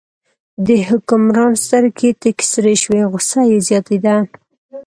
د حکمران سترګې تکې سرې شوې، غوسه یې زیاتېده.